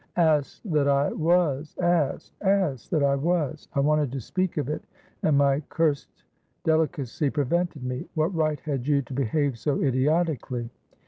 Ass that I was ass, ass that I was! I wanted to speak of it, and my cursed delicacy prevented me. What right had you to behave so idiotically?"